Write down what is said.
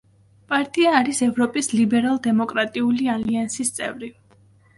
პარტია არის ევროპის ლიბერალ-დემოკრატიული ალიანსის წევრი.